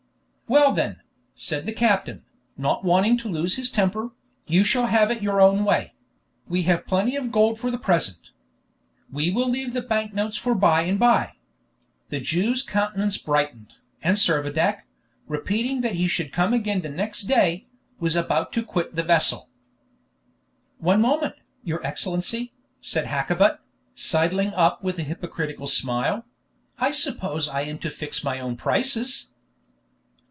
"Well then," said the captain, not wanting to lose his temper, "you shall have it your own way; we have plenty of gold for the present. We will leave the bank notes for by and by." The Jew's countenance brightened, and Servadac, repeating that he should come again the next day, was about to quit the vessel. "One moment, your Excellency," said Hakkabut, sidling up with a hypocritical smile; "I suppose I am to fix my own prices."